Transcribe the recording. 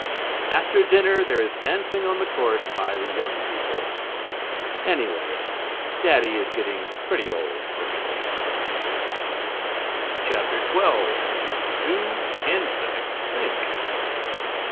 After dinner there is dancing on the court by the young people. Anyway, Daddy is getting pretty old for tennis. XII DO INSECTS THINK?